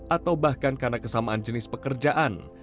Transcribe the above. atau bahkan karena kesamaan jenis pekerjaan